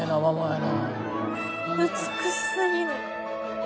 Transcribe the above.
美しすぎる。